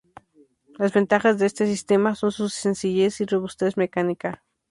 Las ventajas de este sistema son su sencillez y robustez mecánica.